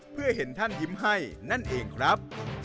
เพื่อเห็นท่านยิ้มให้นั่นเองครับ